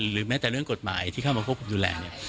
หรือแม้แต่เรื่องกฎหมายที่เข้ามาควบคุมดูแลเนี่ย